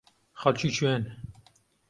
خەڵکی کوێن؟